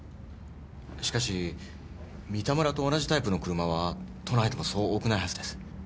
しかし三田村と同じタイプの車は都内でもそう多くないはずです。